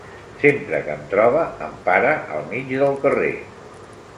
Sempre que em troba em para al mig del carrer.